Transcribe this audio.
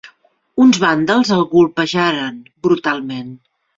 Uns vàndals el copejaren brutalment.